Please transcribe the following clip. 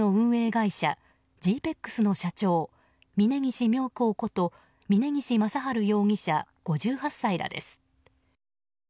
会社Ｇ‐ＰＥＸの社長峰岸妙光こと峯岸正治容疑者、５８歳らです。